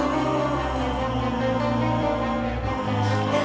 berjanjilah pada ibu